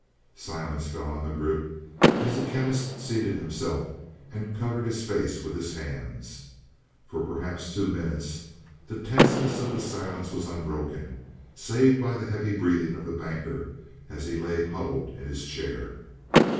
Silence fell on the group as the Chemist seated himself and covered his face with his hands. For perhaps two minutes the tenseness of the silence was unbroken, save by the heavy breathing of the Banker as he lay huddled in his chair.